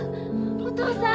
お父さん！